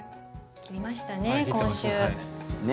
切りましたね、今週。ね。